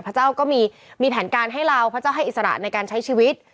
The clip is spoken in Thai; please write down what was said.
พระเจ้าก็มีแผนการให้เราพระเจ้าให้อิสระในการใช้ชีวิต